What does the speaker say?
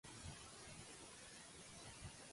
De quin idioma ve el mot Xolotl?